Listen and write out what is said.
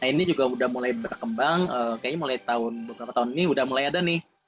nah ini juga udah mulai berkembang kayaknya mulai tahun beberapa tahun ini udah mulai ada nih